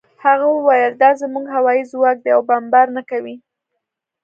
هغه وویل دا زموږ هوايي ځواک دی او بمبار نه کوي